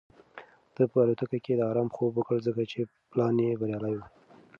ده په الوتکه کې د ارام خوب وکړ ځکه چې پلان یې بریالی و.